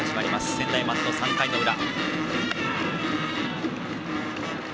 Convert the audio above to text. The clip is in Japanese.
専大松戸、３回の裏。